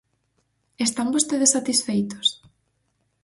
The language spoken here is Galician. ¿Están vostedes satisfeitos?